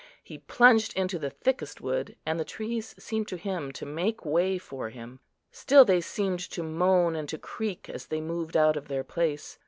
He plunged into the thickest wood, and the trees seemed to him to make way for him. Still they seemed to moan and to creak as they moved out of their place.